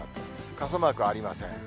傘マークはありません。